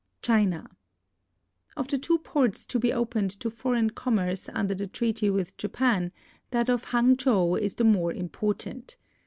Chin a. Of the two ports to be opened to foreign commerce under the treaty with Japan, that of Hangchow is the more important.